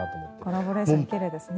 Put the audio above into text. コラボレーション奇麗ですね。